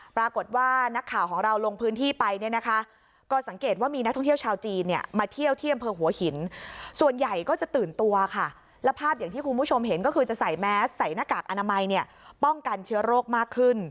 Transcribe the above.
ปรากฏว่านักข่าวของเราลงพื้นที่ไปเนี่ยนะคะก็สังเกตว่ามีนักท่องเที่ยวชาวจีนเนี่ยมาเที่ยวที่อำเภอหัวหินส่วนใหญ่ก็จะตื่นตัวค่ะแล้วภาพอย่างที่คุณผู้ชมเห็นก็คือจะใส่แมสใส่หน้ากากอนามัยเนี่ยป้องกันเชื้อโรคมากขึ้น